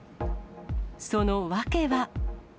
その訳は。